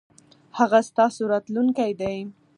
هغه ستاسو راتلونکی دی.